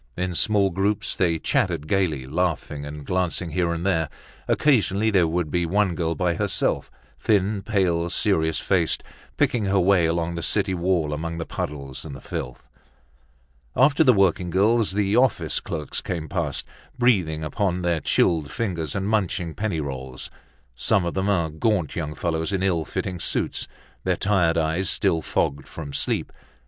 In small groups they chattered gaily, laughing and glancing here and there. Occasionally there would be one girl by herself, thin, pale, serious faced, picking her way along the city wall among the puddles and the filth. After the working girls, the office clerks came past, breathing upon their chilled fingers and munching penny rolls. Some of them are gaunt young fellows in ill fitting suits, their tired eyes still fogged from sleep.